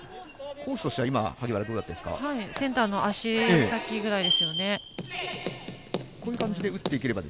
コースとしては、萩原はセンターの足先ぐらいですよね。